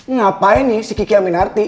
ngapain nih si kiki aminarti